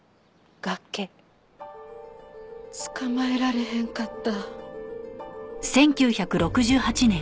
つかまえられへんかった。